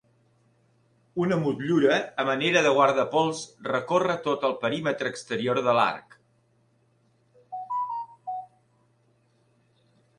Una motllura a manera de guardapols recórrer tot el perímetre exterior de l'arc.